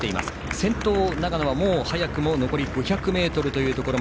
先頭の長野はまもなく残り５００ｍというところ。